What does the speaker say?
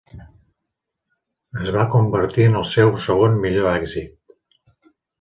Es va convertir en el seu segon millor èxit.